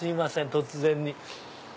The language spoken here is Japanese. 突然に。